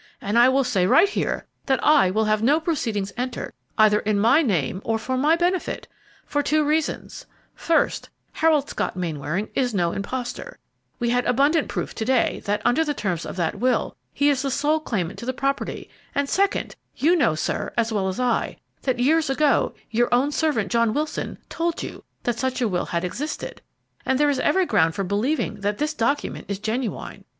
And I will say right here that I will have no proceedings entered, either in my name or for my benefit, for two reasons: first, Harold Scott Mainwaring is no impostor; we had abundant proof to day that, under the terms of that will, he is the sole claimant to the property; and second, you know, sir, as well as I, that years ago, your own servant, John Wilson, told you that such a will had existed, and there is every ground for believing that this document is genuine.